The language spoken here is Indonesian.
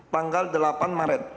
panggal delapan maret